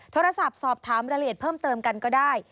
โทรศัพท์สอบถามรายละเอียดเพิ่มเติมกันก็ได้